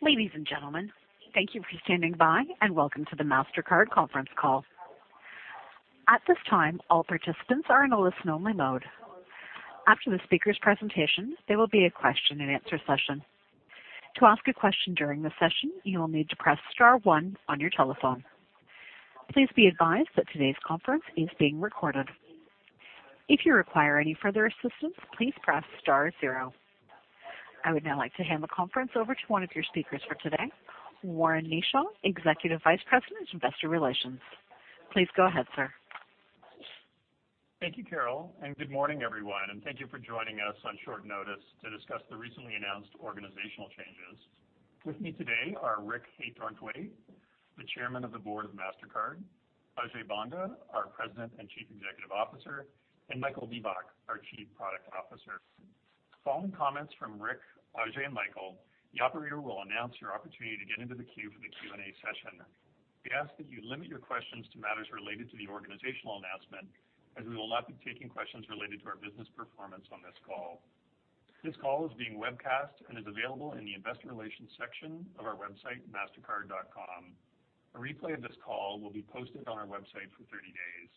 Ladies and gentlemen, thank you for standing by, and welcome to the Mastercard conference call. At this time, all participants are in a listen-only mode. After the speakers' presentation, there will be a question-and-answer session. To ask a question during the session, you will need to press star one on your telephone. Please be advised that today's conference is being recorded. If you require any further assistance, please press star zero. I would now like to hand the conference over to one of your speakers for today, Warren Kneeshaw, Executive Vice President, Investor Relations. Please go ahead, sir. Thank you, Carol, good morning, everyone. Thank you for joining us on short notice to discuss the recently announced organizational changes. With me today are Richard Haythornthwaite, the Chairman of the Board of Mastercard, Ajay Banga, our President and Chief Executive Officer, and Michael Miebach, our Chief Product Officer. Following comments from Rick, Ajay, and Michael, the operator will announce your opportunity to get into the queue for the Q&A session. We ask that you limit your questions to matters related to the organizational announcement, as we will not be taking questions related to our business performance on this call. This call is being webcast and is available in the investor relations section of our website, mastercard.com. A replay of this call will be posted on our website for 30 days.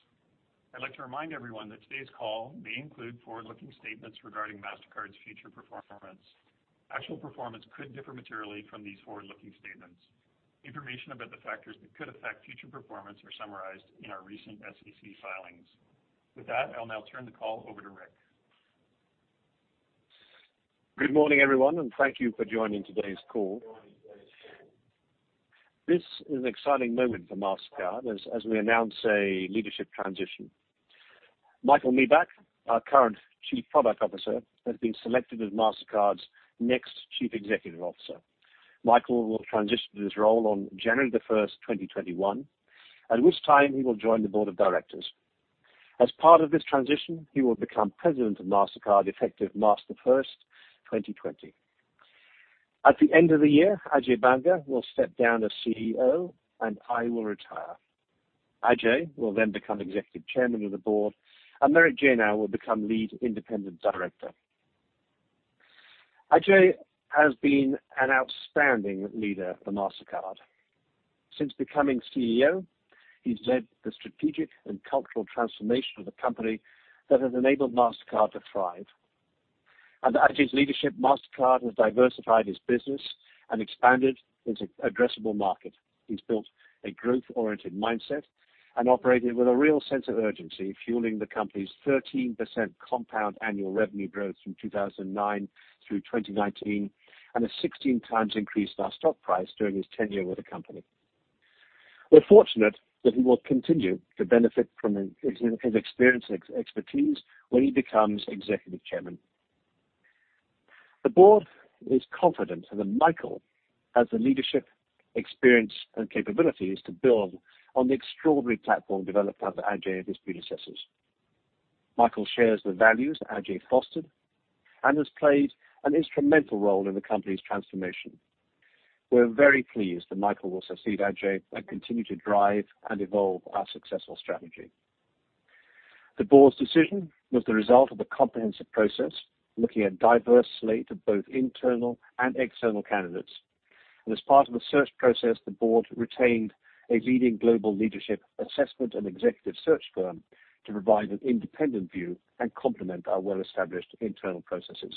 I'd like to remind everyone that today's call may include forward-looking statements regarding Mastercard's future performance. Actual performance could differ materially from these forward-looking statements. Information about the factors that could affect future performance are summarized in our recent SEC filings. With that, I'll now turn the call over to Rick. Good morning, everyone, and thank you for joining today's call. This is an exciting moment for Mastercard as we announce a leadership transition. Michael Miebach, our current Chief Product Officer, has been selected as Mastercard's next Chief Executive Officer. Michael will transition to this role on January the first, 2021, at which time he will join the board of directors. As part of this transition, he will become President of Mastercard effective March the first, 2020. At the end of the year, Ajay Banga will step down as CEO, and I will retire. Ajay will then become Executive Chairman of the board, and Merit Janow will become Lead Independent Director. Ajay has been an outstanding leader for Mastercard. Since becoming CEO, he's led the strategic and cultural transformation of the company that has enabled Mastercard to thrive. Under Ajay's leadership, Mastercard has diversified its business and expanded into addressable markets. He's built a growth-oriented mindset and operated with a real sense of urgency, fueling the company's 13% compound annual revenue growth from 2009 through 2019, and has 16 times increased our stock price during his tenure with the company. We're fortunate that we will continue to benefit from his experience and expertise when he becomes Executive Chairman. The board is confident that Michael has the leadership experience and capabilities to build on the extraordinary platform developed under Ajay and his predecessors. Michael shares the values Ajay fostered and has played an instrumental role in the company's transformation. We're very pleased that Michael will succeed Ajay and continue to drive and evolve our successful strategy. The board's decision was the result of a comprehensive process looking at a diverse slate of both internal and external candidates. As part of the search process, the board retained a leading global leadership assessment and executive search firm to provide an independent view and complement our well-established internal processes.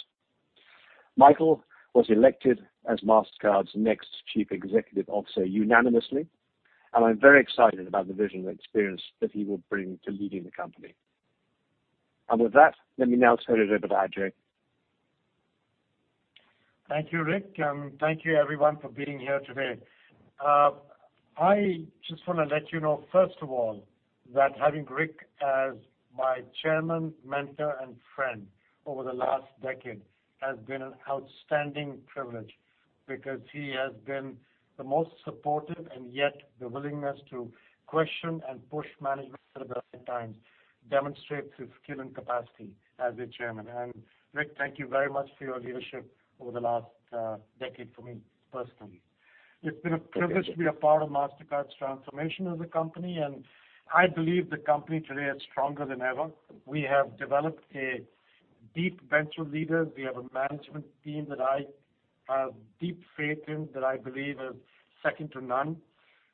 Michael was elected as Mastercard's next Chief Executive Officer unanimously, and I'm very excited about the vision and experience that he will bring to leading the company. With that, let me now turn it over to Ajay. Thank you, Rick. Thank you everyone for being here today. I just want to let you know, first of all, that having Rick as my chairman, mentor, and friend over the last decade has been an outstanding privilege because he has been the most supportive and yet the willingness to question and push management at times demonstrates his skill and capacity as a chairman. Rick, thank you very much for your leadership over the last decade for me personally. It's been a privilege to be a part of Mastercard's transformation as a company, and I believe the company today is stronger than ever. We have developed a deep bench of leaders. We have a management team that I have deep faith in, that I believe is second to none.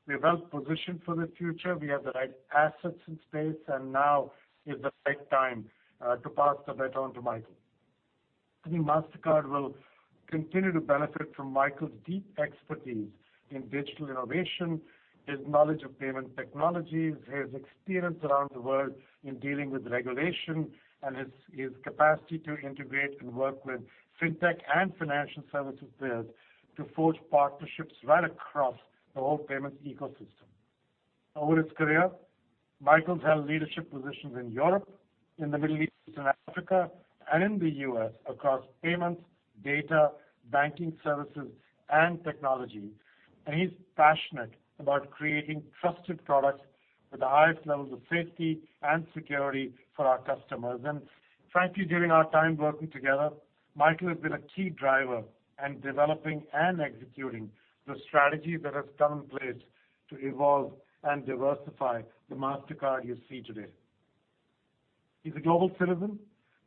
We're well-positioned for the future. We have the right assets in place, and now is the right time to pass the baton to Michael. I think Mastercard will continue to benefit from Michael's deep expertise in digital innovation, his knowledge of payment technologies, his experience around the world in dealing with regulation, and his capacity to integrate and work with fintech and financial services players to forge partnerships right across the whole payment ecosystem. Over his career, Michael's held leadership positions in Europe, in the Middle East and Africa, and in the U.S. across payments, data, banking services, and technology. He's passionate about creating trusted products with the highest levels of safety and security for our customers. Frankly, during our time working together, Michael has been a key driver in developing and executing the strategy that has come in place to evolve and diversify the Mastercard you see today. He's a global citizen.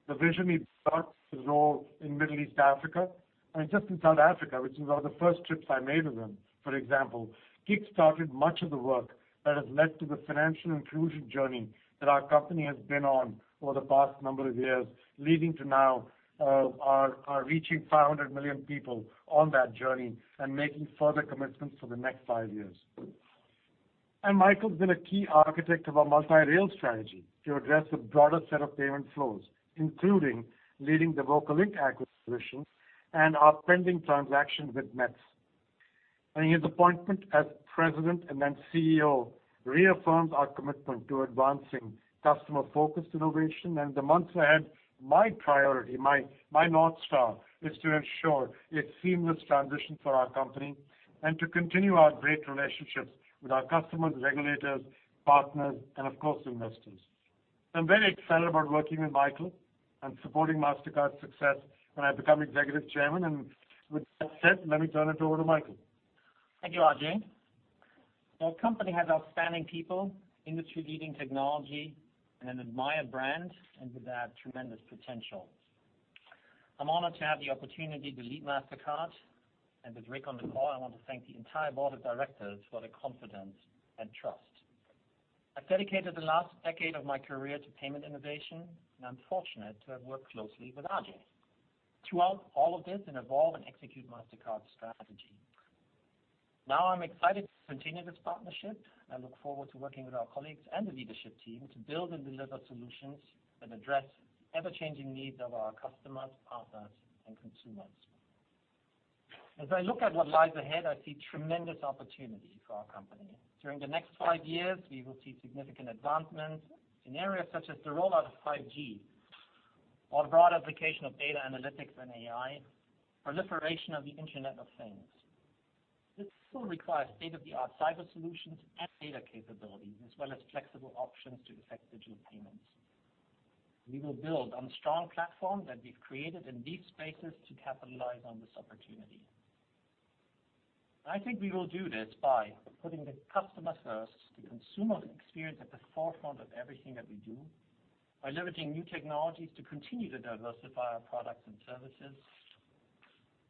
The vision he charts is all in Middle East Africa and just in South Africa, which was one of the first trips I made with him, for example. Kick started much of the work that has led to the financial inclusion journey that our company has been on for the past number of years, leading to now, our reaching 500 million people on that journey and making further commitments for the next five years. Michael has been a key architect of our multi-rail strategy to address a broader set of payment flows, including leading the VocaLink acquisition and our pending transaction with Nets. His appointment as President and then CEO reaffirms our commitment to advancing customer-focused innovation. In the months ahead, my priority, my North Star, is to ensure a seamless transition for our company and to continue our great relationships with our customers, regulators, partners, and of course, investors. I'm very excited about working with Michael and supporting Mastercard's success when I become Executive Chairman. With that said, let me turn it over to Michael. Thank you, Ajay. Our company has outstanding people, industry-leading technology, and an admired brand, and with that, tremendous potential. I'm honored to have the opportunity to lead Mastercard, and with Rick on the call, I want to thank the entire board of directors for their confidence and trust. I've dedicated the last decade of my career to payment innovation, and I'm fortunate to have worked closely with Ajay. Throughout all of this and evolve and execute Mastercard's strategy. I'm excited to continue this partnership. I look forward to working with our colleagues and the leadership team to build and deliver solutions that address the ever-changing needs of our customers, partners, and consumers. As I look at what lies ahead, I see tremendous opportunity for our company. During the next five years, we will see significant advancements in areas such as the rollout of 5G or broad application of data analytics and AI, proliferation of the Internet of Things. This still requires state-of-the-art cyber solutions and data capabilities as well as flexible options to effect digital payments. We will build on strong platform that we've created in these spaces to capitalize on this opportunity. I think we will do this by putting the customer first, the consumer experience at the forefront of everything that we do, by leveraging new technologies to continue to diversify our products and services,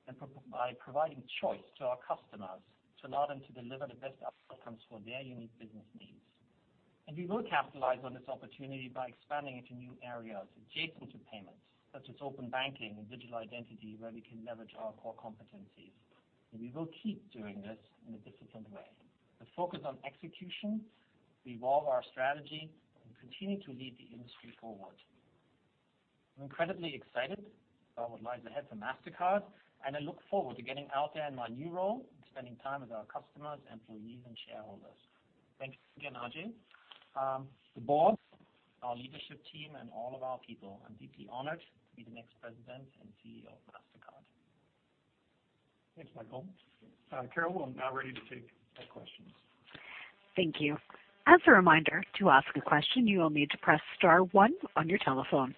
and by providing choice to our customers to allow them to deliver the best outcomes for their unique business needs. We will capitalize on this opportunity by expanding into new areas adjacent to payments such as open banking and digital identity, where we can leverage our core competencies. We will keep doing this in a disciplined way. We focus on execution. We evolve our strategy and continue to lead the industry forward. I'm incredibly excited about what lies ahead for Mastercard, and I look forward to getting out there in my new role and spending time with our customers, employees, and shareholders. Thanks again, Ajay. The board, our leadership team, and all of our people, I'm deeply honored to be the next President and CEO of Mastercard. Thanks, Michael. Carol, we're now ready to take questions. Thank you. As a reminder, to ask a question, you will need to press star one on your telephone.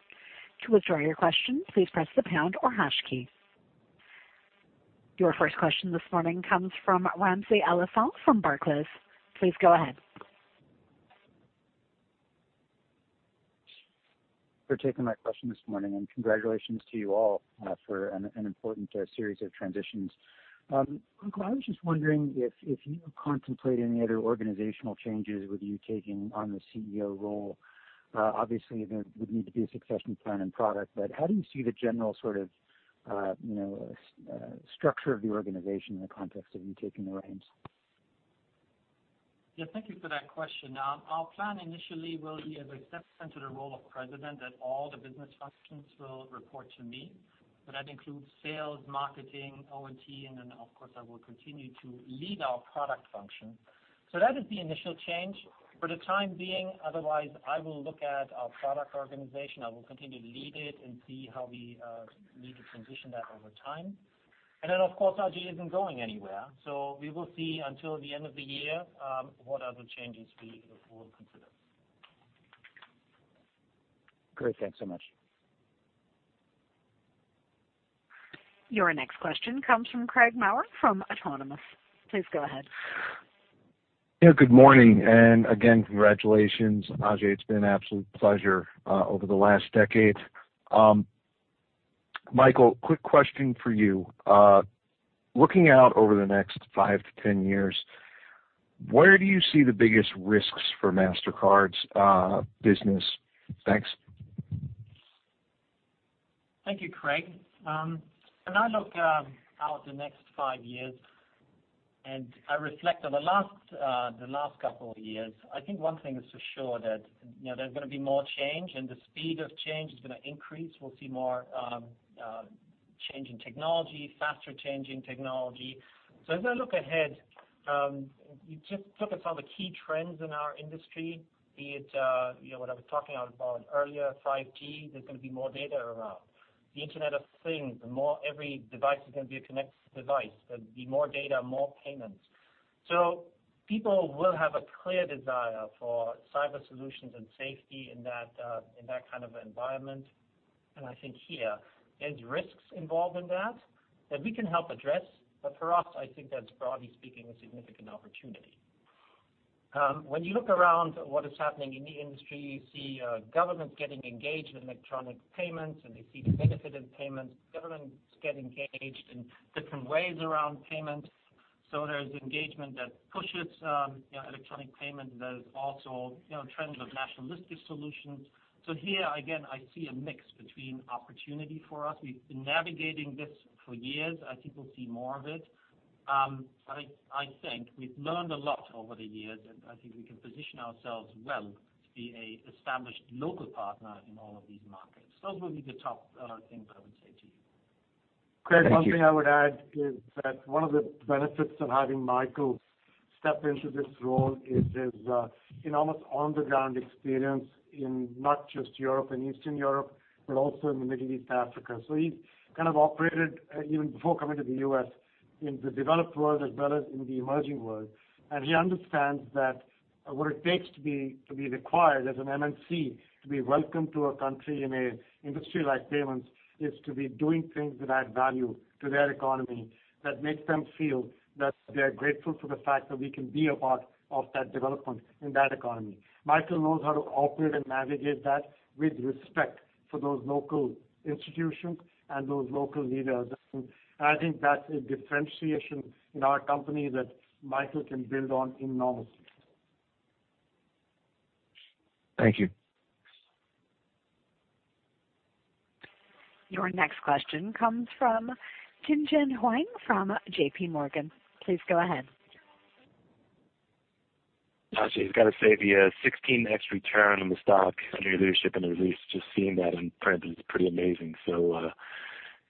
To withdraw your question, please press the pound or hash key. Your first question this morning comes from Ramsey El-Assal from Barclays. Please go ahead. For taking my question this morning, and congratulations to you all for an important series of transitions. Michael, I was just wondering if you contemplate any other organizational changes with you taking on the CEO role. Obviously, there would need to be a succession plan and product, but how do you see the general sort of structure of the organization in the context of you taking the reins? Yeah, thank you for that question. Our plan initially will be as I step into the role of president, that all the business functions will report to me. That includes sales, marketing, O&T, of course, I will continue to lead our product function. That is the initial change. For the time being, otherwise, I will look at our product organization. I will continue to lead it and see how we need to transition that over time. Of course, Ajay isn't going anywhere. We will see until the end of the year what other changes we will consider. Great. Thanks so much. Your next question comes from Craig Maurer from Autonomous. Please go ahead. Yeah, good morning. Again, congratulations, Ajay. It's been an absolute pleasure over the last decade. Michael, quick question for you. Looking out over the next five to 10 years, where do you see the biggest risks for Mastercard's business? Thanks. Thank you, Craig. When I look out the next five years, and I reflect on the last couple of years, I think one thing is for sure that there's going to be more change, and the speed of change is going to increase. We'll see more change in technology, faster change in technology. As I look ahead, you just look at some of the key trends in our industry, be it what I was talking about earlier, 5G, there's going to be more data around. The Internet of Things. Every device is going to be a connected device. There'll be more data, more payments. People will have a clear desire for cyber solutions and safety in that kind of environment. And I think here there's risks involved in that we can help address. For us, I think that's broadly speaking, a significant opportunity. When you look around what is happening in the industry, you see governments getting engaged in electronic payments, and they see the benefit of payments. Governments get engaged in different ways around payments. There's engagement that pushes electronic payment. There's also trends of nationalistic solutions. Here, again, I see a mix between opportunity for us. We've been navigating this for years. I think we'll see more of it. I think we've learned a lot over the years, and I think we can position ourselves well to be an established local partner in all of these markets. Those would be the top things that I would say to you. Craig, one thing I would add is that one of the benefits of having Michael step into this role is his almost on-the-ground experience in not just Europe and Eastern Europe, but also in the Middle East and Africa. He's kind of operated, even before coming to the U.S., in the developed world as well as in the emerging world. He understands that what it takes to be required as an MNC, to be welcome to a country in a industry like payments, is to be doing things that add value to their economy, that makes them feel that they're grateful for the fact that we can be a part of that development in that economy. Michael knows how to operate and navigate that with respect for those local institutions and those local leaders. I think that's a differentiation in our company that Michael can build on enormously. Thank you. Your next question comes from Tien-tsin Huang from J.P. Morgan. Please go ahead. Ajay, I've got to say, the 16x return on the stock under your leadership and the release, just seeing that in print is pretty amazing.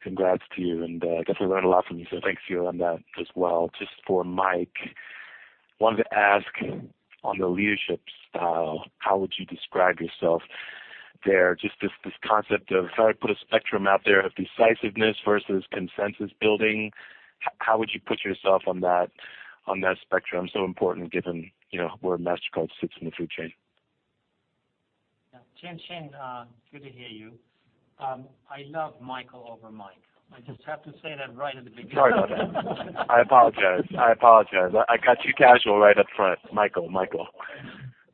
Congrats to you, and I guess I learned a lot from you, so thanks to you on that as well. Just for Mike, wanted to ask on the leadership style, how would you describe yourself there? Just this concept of if I put a spectrum out there of decisiveness versus consensus-building, how would you put yourself on that spectrum? Important given where Mastercard sits in the food chain. Yeah. Tien-tsin, good to hear you. I love Michael over Mike. I just have to say that right at the beginning. Sorry about that. I apologize. I caught you casual right up front. Michael.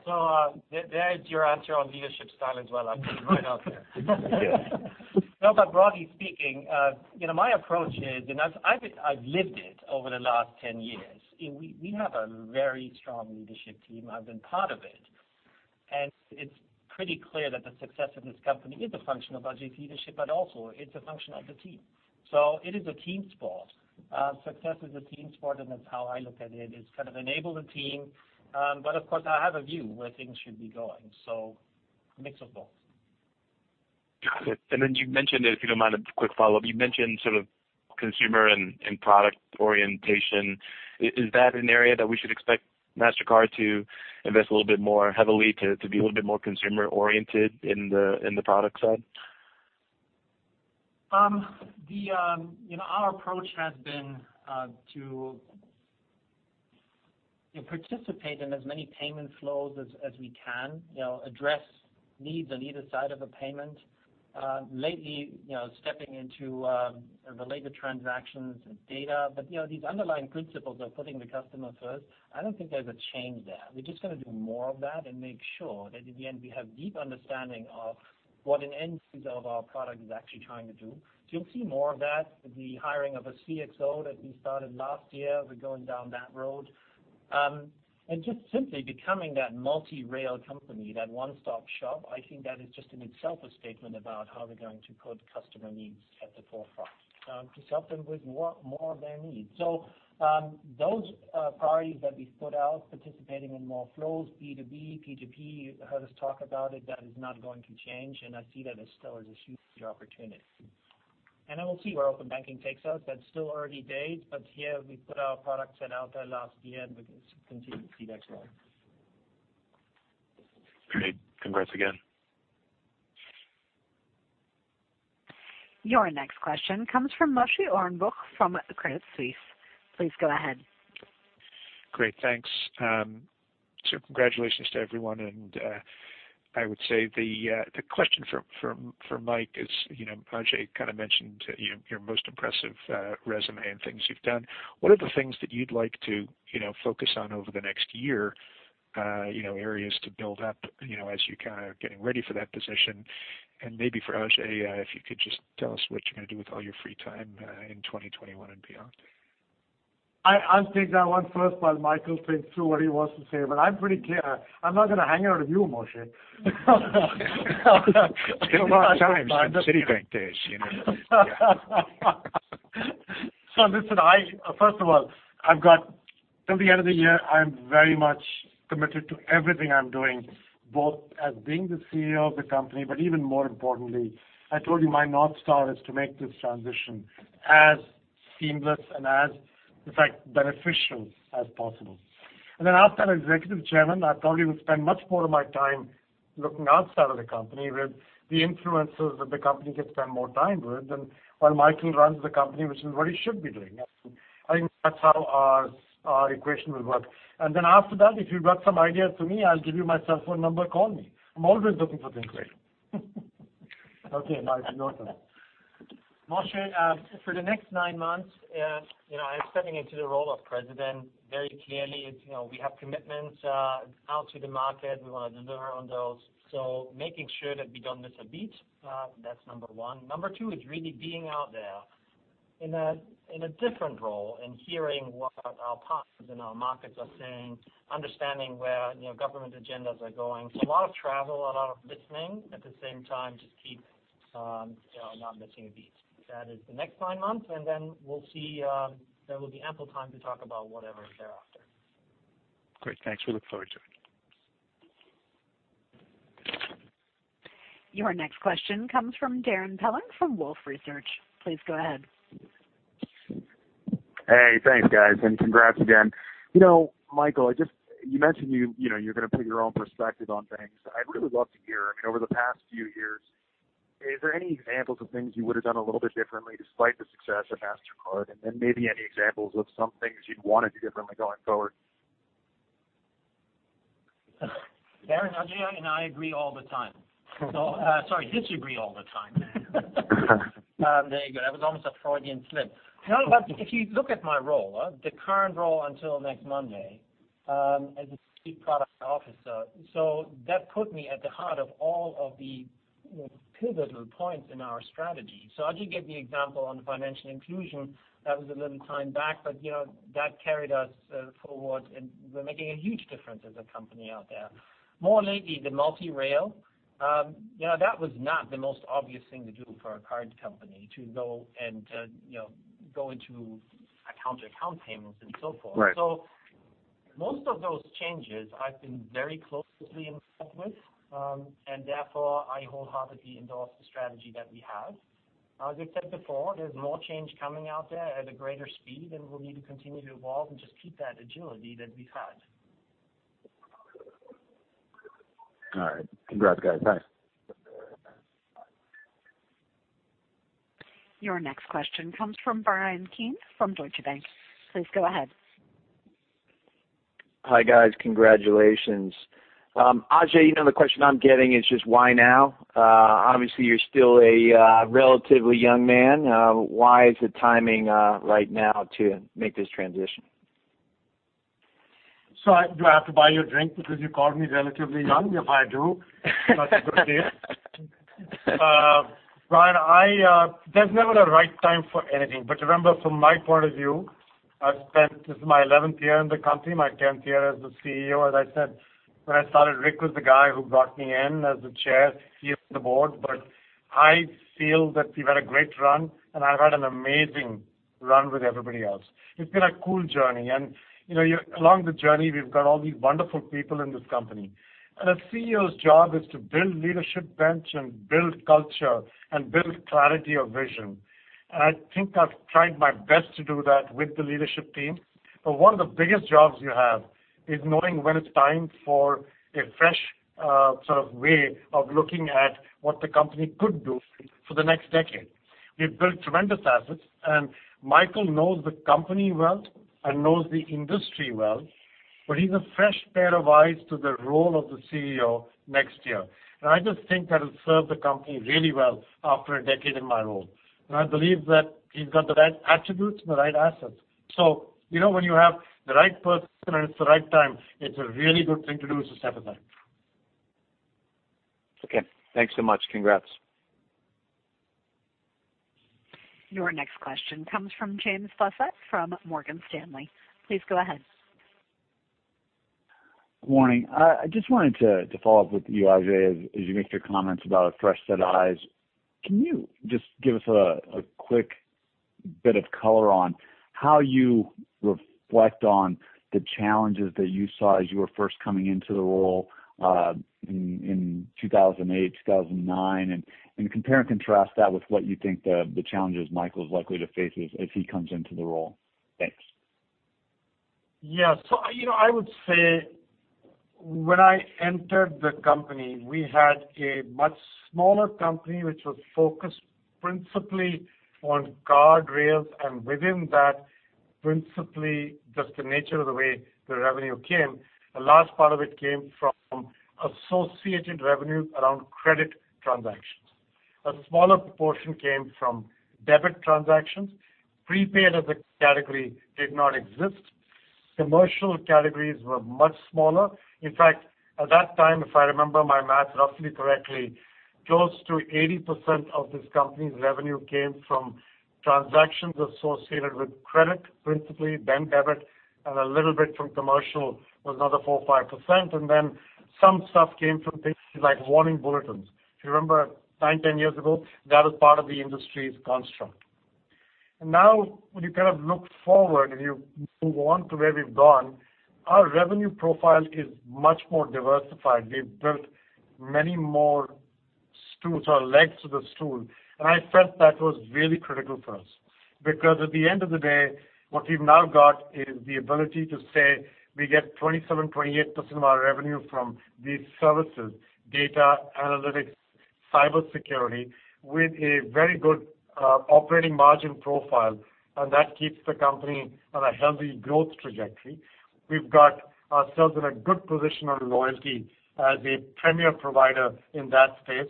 There's your answer on leadership style as well, Ajay. Right out there. Yes. No, broadly speaking, my approach is, and I've lived it over the last 10 years. We have a very strong leadership team. I've been part of it, and it's pretty clear that the success of this company is a function of Ajay's leadership, but also it's a function of the team. It is a team sport. Success is a team sport, and that's how I look at it, is enable the team. Of course, I have a view where things should be going, so a mix of both. Got it. You mentioned, if you don't mind, a quick follow-up. You mentioned consumer and product orientation. Is that an area that we should expect Mastercard to invest a little bit more heavily to be a little bit more consumer-oriented in the product side? Our approach has been to participate in as many payment flows as we can, address needs on either side of a payment, lately stepping into related transactions and data. These underlying principles of putting the customer first, I don't think there's a change there. We're just going to do more of that and make sure that in the end, we have deep understanding of what an end user of our product is actually trying to do. You'll see more of that. The hiring of a CXO that we started last year, we're going down that road, just simply becoming that multi-rail company, that one-stop shop. I think that is just in itself a statement about how we're going to put customer needs at the forefront to help them with more of their needs. Those priorities that we put out, participating in more flows, B2B, P2P, you heard us talk about it, that is not going to change, and I see that as still as a huge opportunity. Then we'll see where open banking takes us. That's still early days, but here we put our product set out there last year, and we can continue to see that grow. Great. Congrats again. Your next question comes from Moshe Orenbuch from Credit Suisse. Please go ahead. Great. Thanks. Congratulations to everyone. I would say the question for Mike is, Ajay kind of mentioned your most impressive resume and things you've done. What are the things that you'd like to focus on over the next year, areas to build up as you're getting ready for that position? Maybe for Ajay, if you could just tell us what you're going to do with all your free time in 2021 and beyond. I'll take that one first while Michael thinks through what he wants to say. I'm pretty clear. I'm not going to hang out with you, Moshe. Still a lot of time. Citibank days. Listen, first of all, till the end of the year, I'm very much committed to everything I'm doing, both as being the CEO of the company, but even more importantly, I told you my North Star is to make this transition as seamless and as, in fact, beneficial as possible. Then after Executive Chairman, I probably will spend much more of my time looking outside of the company with the influencers that the company can spend more time with. While Michael runs the company, which is what he should be doing. I think that's how our equation will work. Then after that, if you've got some ideas for me, I'll give you my cell phone number. Call me. I'm always looking for things, Craig. Okay, Michael, your turn. Moshe, for the next nine months, I'm stepping into the role of president. Very clearly, we have commitments out to the market. We want to deliver on those. Making sure that we don't miss a beat, that's number one. Number two is really being out there in a different role and hearing what our partners in our markets are saying, understanding where government agendas are going. A lot of travel, a lot of listening. At the same time, just keep not missing a beat. That is the next nine months, we'll see. There will be ample time to talk about whatever is thereafter. Great. Thanks. We look forward to it. Your next question comes from Darrin Peller from Wolfe Research. Please go ahead. Hey, thanks guys, and congrats again. Michael, you mentioned you're going to put your own perspective on things. I'd really love to hear, over the past few years, is there any examples of things you would've done a little bit differently despite the success of Mastercard? Then maybe any examples of some things you'd want to do differently going forward. Darrin, Ajay and I agree all the time. No. Sorry, disagree all the time. There you go. That was almost a Freudian slip. If you look at my role, the current role until next Monday, as the Chief Product Officer. That put me at the heart of all of the pivotal points in our strategy. Ajay gave the example on financial inclusion. That was a little time back, but that carried us forward, and we're making a huge difference as a company out there. More lately, the multi-rail. That was not the most obvious thing to do for a card company, to go into account-to-account payments and so forth. Right. Most of those changes I've been very closely involved with. Therefore, I wholeheartedly endorse the strategy that we have. As I said before, there's more change coming out there at a greater speed, and we'll need to continue to evolve and just keep that agility that we've had. All right. Congrats, guys. Thanks. Your next question comes from Bryan Keane from Deutsche Bank. Please go ahead. Hi, guys. Congratulations. Ajay, the question I'm getting is just why now? Obviously, you're still a relatively young man. Why is the timing right now to make this transition? Do I have to buy you a drink because you called me relatively young? If I do, that's okay. Bryan, there's never a right time for anything. Remember, from my point of view, this is my 11th year in the company, my 10th year as the CEO. As I said, when I started, Rick was the guy who brought me in as the chair here on the board. I feel that we've had a great run, and I've had an amazing run with everybody else. It's been a cool journey, and along the journey, we've got all these wonderful people in this company. A CEO's job is to build leadership bench and build culture and build clarity of vision. I think I've tried my best to do that with the leadership team. One of the biggest jobs you have is knowing when it's time for a fresh way of looking at what the company could do for the next decade. We've built tremendous assets, and Michael knows the company well and knows the industry well, but he's a fresh pair of eyes to the role of the CEO next year. I just think that'll serve the company really well after a decade in my role. I believe that he's got the right attributes and the right assets. When you have the right person and it's the right time, it's a really good thing to do is to step aside. Okay. Thanks so much. Congrats. Your next question comes from James Faucette from Morgan Stanley. Please go ahead. Morning. I just wanted to follow up with you, Ajay, as you make your comments about a fresh set of eyes. Can you just give us a quick bit of color on how you reflect on the challenges that you saw as you were first coming into the role in 2008, 2009, and compare and contrast that with what you think the challenges Michael's likely to face if he comes into the role? Thanks. I would say when I entered the company, we had a much smaller company which was focused principally on card rails, and within that, principally just the nature of the way the revenue came. A large part of it came from associated revenue around credit transactions. A smaller proportion came from debit transactions. Prepaid as a category did not exist. Commercial categories were much smaller. In fact, at that time, if I remember my math roughly correctly, close to 80% of this company's revenue came from transactions associated with credit, principally, then debit, and a little bit from commercial was another 4% or 5%. Some stuff came from things like warning bulletins. If you remember nine, 10 years ago, that was part of the industry's construct. When you look forward and you move on to where we've gone, our revenue profile is much more diversified. We've built many more legs to the stool. I felt that was really critical for us. At the end of the day, what we've now got is the ability to say we get 27%, 28% of our revenue from these services, data analytics, Cybersecurity with a very good operating margin profile, and that keeps the company on a healthy growth trajectory. We've got ourselves in a good position on loyalty as a premier provider in that space.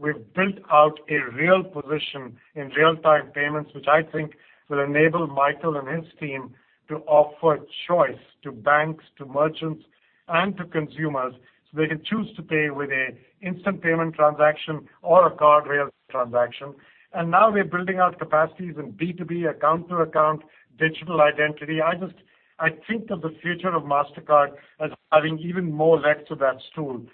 We've built out a real position in real-time payments, which I think will enable Michael and his team to offer choice to banks, to merchants, and to consumers, so they can choose to pay with an instant payment transaction or a card rail transaction. Now we're building out capacities in B2B account-to-account digital identity. I think of the future of Mastercard as adding even more legs to that stool,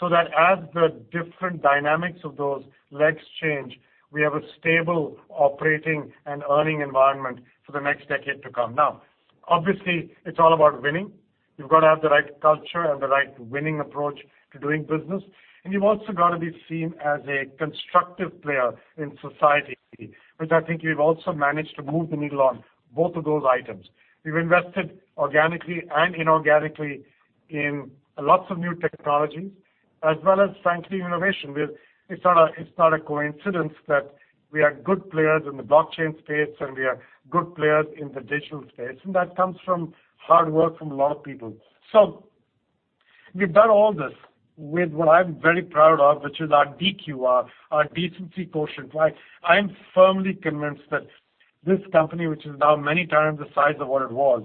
so that as the different dynamics of those legs change, we have a stable operating and earning environment for the next decade to come. Now, obviously, it's all about winning. You've got to have the right culture and the right winning approach to doing business. You've also got to be seen as a constructive player in society, which I think we've also managed to move the needle on both of those items. We've invested organically and inorganically in lots of new technologies as well as frankly, innovation. It's not a coincidence that we are good players in the blockchain space and we are good players in the digital space, and that comes from hard work from a lot of people. We've done all this with what I'm very proud of, which is our DQ, our decency quotient. I'm firmly convinced that this company, which is now many times the size of what it was,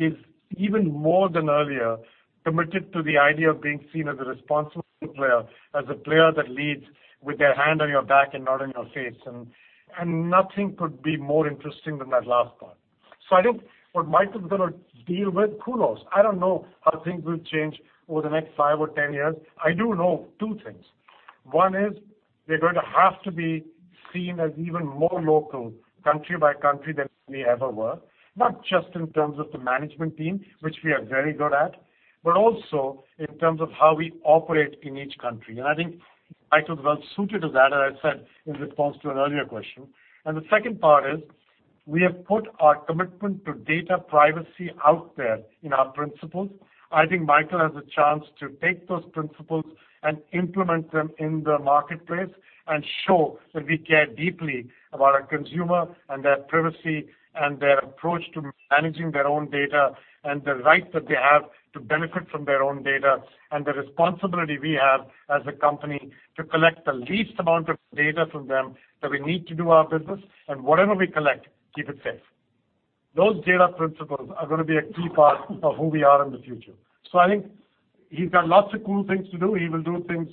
is even more than earlier committed to the idea of being seen as a responsible player, as a player that leads with their hand on your back and not in your face. Nothing could be more interesting than that last part. I think what Michael is going to deal with, kudos. I don't know how things will change over the next five or 10 years. I do know two things. One is we're going to have to be seen as even more local country by country than we ever were, not just in terms of the management team, which we are very good at, but also in terms of how we operate in each country. I think Michael is well-suited to that, as I said in response to an earlier question. The second part is, we have put our commitment to data privacy out there in our principles. I think Michael has a chance to take those principles and implement them in the marketplace and show that we care deeply about our consumer and their privacy and their approach to managing their own data and the right that they have to benefit from their own data and the responsibility we have as a company to collect the least amount of data from them that we need to do our business, and whatever we collect, keep it safe. Those data principles are going to be a key part of who we are in the future. I think he's got lots of cool things to do. He will do things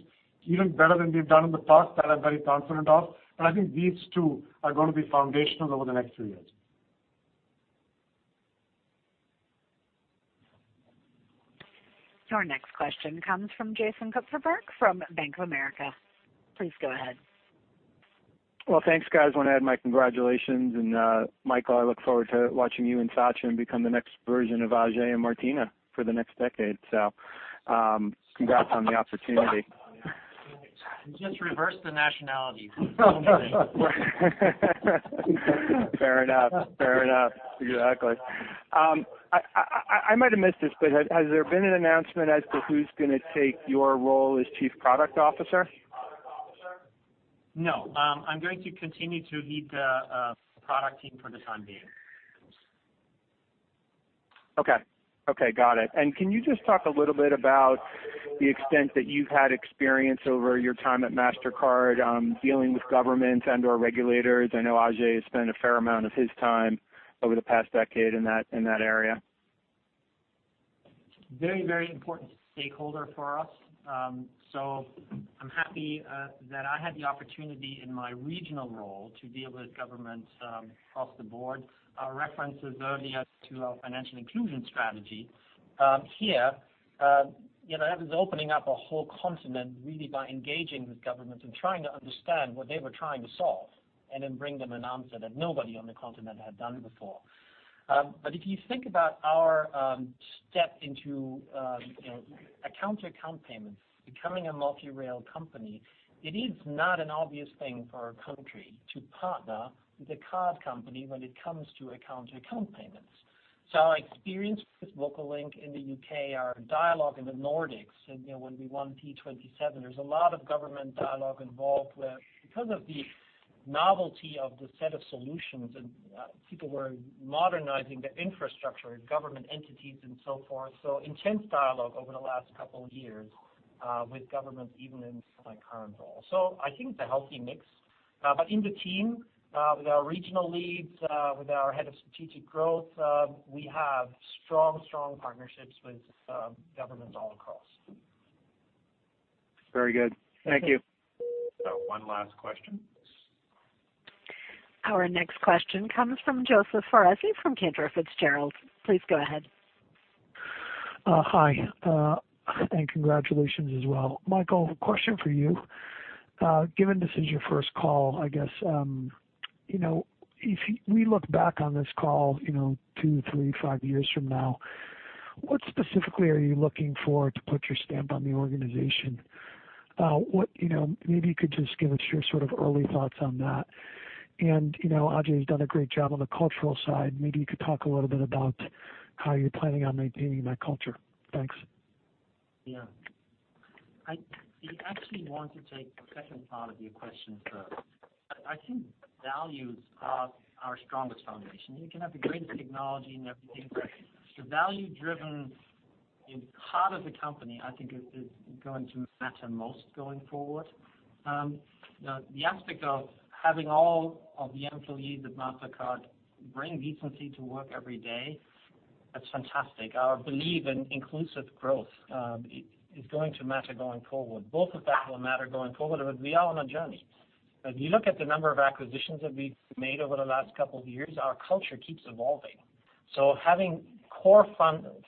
even better than we've done in the past that I'm very confident of, but I think these two are going to be foundational over the next few years. Your next question comes from Jason Kupferberg from Bank of America. Please go ahead. Well, thanks, guys. Want to add my congratulations. Michael, I look forward to watching you and Sachin become the next version of Ajay and Martina for the next decade. Congrats on the opportunity. Just reverse the nationalities. Fair enough. Exactly. I might have missed this, but has there been an announcement as to who's going to take your role as Chief Product Officer? No, I'm going to continue to lead the product team for the time being. Okay. Got it. Can you just talk a little bit about the extent that you've had experience over your time at Mastercard dealing with governments and/or regulators? I know Ajay has spent a fair amount of his time over the past decade in that area. Very important stakeholder for us. I'm happy that I had the opportunity in my regional role to deal with governments across the board. References earlier to our financial inclusion strategy. Here that was opening up a whole continent really by engaging with governments and trying to understand what they were trying to solve and then bring them an answer that nobody on the continent had done before. If you think about our step into account-to-account payments, becoming a multi-rail company, it is not an obvious thing for a country to partner with a card company when it comes to account-to-account payments. Our experience with VocaLink in the U.K., our dialogue in the Nordics, and when we won P27, there's a lot of government dialogue involved where because of the novelty of the set of solutions and people were modernizing their infrastructure and government entities and so forth. Intense dialogue over the last couple of years with governments, even in my current role. I think it's a healthy mix. In the team, with our regional leads, with our head of strategic growth, we have strong partnerships with governments all across. Very good. Thank you. One last question. Our next question comes from Joseph Foresi from Cantor Fitzgerald. Please go ahead. Hi, and congratulations as well. Michael, question for you. Given this is your first call, I guess, if we look back on this call two, three, five years from now, what specifically are you looking for to put your stamp on the organization? Maybe you could just give us your sort of early thoughts on that. Ajay has done a great job on the cultural side. Maybe you could talk a little bit about how you're planning on maintaining that culture. Thanks. Yeah. I actually want to take the second part of your question first. I think values are our strongest foundation. You can have the greatest technology and everything, the value-driven in heart of the company, I think is going to matter most going forward. The aspect of having all of the employees of Mastercard bring decency to work every day, that's fantastic. Our belief in inclusive growth is going to matter going forward. Both of that will matter going forward, we are on a journey. If you look at the number of acquisitions that we've made over the last couple of years, our culture keeps evolving. Having core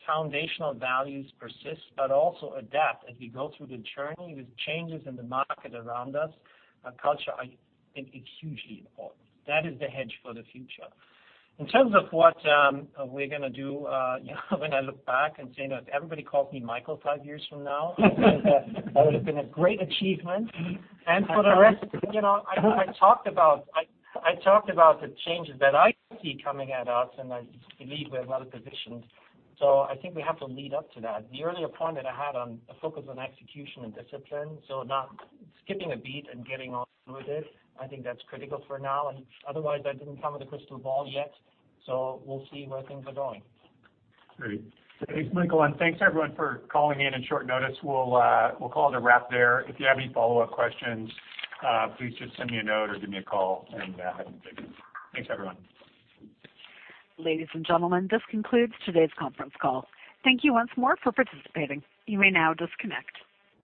foundational values persist but also adapt as we go through the journey with changes in the market around us, our culture, I think it's hugely important. That is the hedge for the future. In terms of what we're going to do when I look back and say, If everybody calls me Michael five years from now, that would have been a great achievement. For the rest, I hope I talked about the changes that I see coming at us, and I believe we're well-positioned. I think we have to lead up to that. The earlier point that I had on a focus on execution and discipline, so not skipping a beat and getting all through this, I think that's critical for now. Otherwise, I didn't come with a crystal ball yet, so we'll see where things are going. Great. Thanks, Michael, and thanks, everyone, for calling in on short notice. We'll call it a wrap there. If you have any follow-up questions, please just send me a note or give me a call, and have a good day. Thanks, everyone. Ladies and gentlemen, this concludes today's conference call. Thank you once more for participating. You may now disconnect.